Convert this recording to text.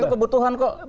itu kebutuhan kok